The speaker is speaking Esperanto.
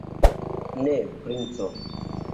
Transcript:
Ne, princo!